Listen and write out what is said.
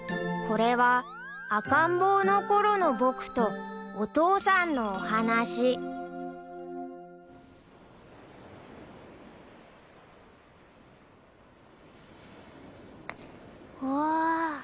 ［これは赤ん坊のころの僕とお父さんのお話］わ。